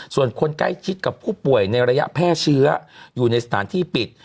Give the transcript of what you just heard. ส่วนคนใกล้ชิดกับผู้ป่วยในระยะแพร่เชื้ออยู่ในสถานที่ปิด